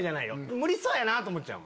無理そうやなぁと思っちゃう。